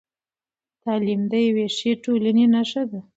تعلیم د یوې ښې ټولنې نښه ده.